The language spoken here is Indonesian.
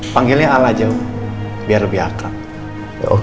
panggilnya al aja umumnya